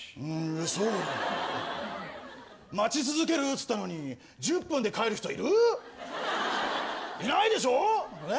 へぇそう⁉待ち続けるっつったのに１０分で帰る人いる⁉いないでしょ？